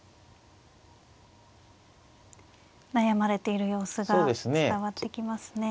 悩まれている様子が伝わってきますね。